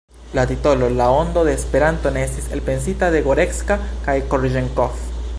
La titolo La Ondo de Esperanto ne estis elpensita de Gorecka kaj Korĵenkov.